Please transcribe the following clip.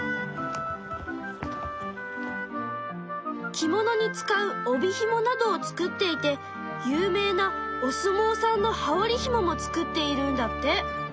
着物に使う帯ひもなどを作っていて有名なおすもうさんの羽織ひもも作っているんだって。